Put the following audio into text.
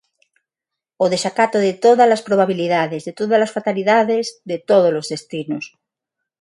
O desacato de todas as probabilidades, de todas as fatalidades, de todos os destinos.